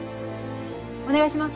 お願いします。